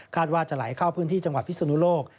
ว่าจะไหลเข้าพื้นที่จังหวัดพิศนุโลก